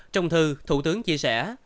trong thư thủ tướng chia sẻ